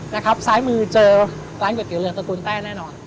นะครับซ้ายมือเจอร้านก๋วยเตี๋เรืองตระกูลแต้แน่นอน